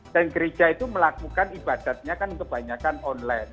dan gereja itu melakukan ibadatnya kan kebanyakan online